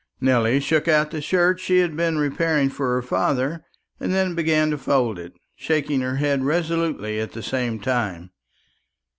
Nelly shook out the shirt she had been repairing for her father, and then began to fold it, shaking her head resolutely at the same time.